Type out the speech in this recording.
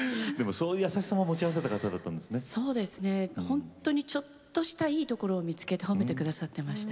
本当にちょっとしたいいところを見つけて褒めてくださってました。